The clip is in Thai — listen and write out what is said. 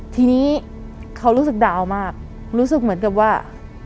ทีนี้เขารู้สึกดาวมากรู้สึกเหมือนกับว่า